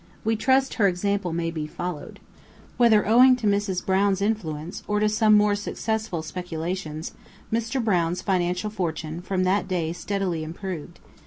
We trust her example may be followed." Whether owing to Mrs. Brown's influence, or to some more successful speculations, Mr. Brown's financial fortune from that day steadily improved.